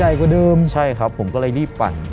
ใหญ่กว่าเดิมใช่ครับผมก็เลยรีบปั่น